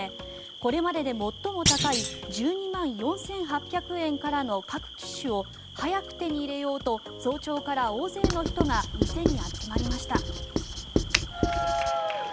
これまでで最も高い１２万４８００円からの各機種を早く手に入れようと早朝から大勢の人が店に集まりました。